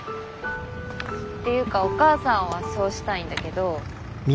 っていうかお母さんはそうしたいんだけど。